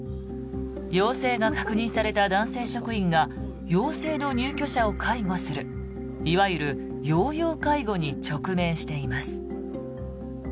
陽性が確認された男性職員が陽性の入居者を介護するいわゆる陽陽介護に直面しています。